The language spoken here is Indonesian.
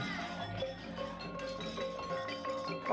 seperti itu selama pelajar tulang pahlawan